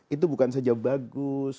itu bukan saja bagus